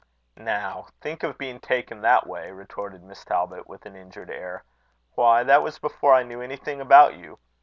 "Now, think of being taken that way!" retorted Miss Talbot, with an injured air. "Why, that was before I knew anything about you.